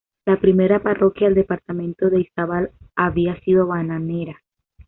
La primera parroquia del departamento de Izabal había sido Bananera.